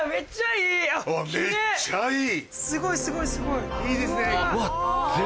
めっちゃいい！